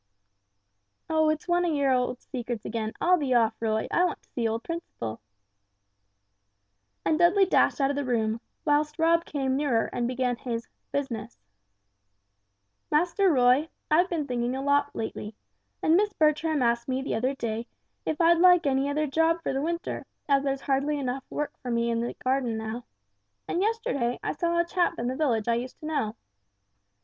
"Oh, it's one of your secrets again. I'll be off, Roy, I want to see old Principle!" And Dudley dashed out of the room, whilst Rob came nearer and began his "business." "Master Roy, I've been thinking a lot lately, and Miss Bertram asked me the other day if I'd like any other job for the winter as there's hardly enough work for me in the garden now. And yesterday I saw a chap in the village I used to know.